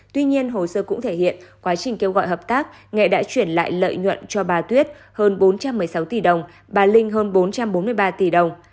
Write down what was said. tuy nhiên hồ sơ cũng thể hiện quá trình kêu gọi hợp tác nghệ đã chuyển lại lợi nhuận cho bà tuyết hơn bốn trăm một mươi sáu tỷ đồng bà linh hơn bốn trăm bốn mươi ba tỷ đồng